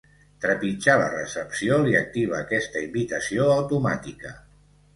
Trepitjar la recepció li activa aquesta invitació automàtica.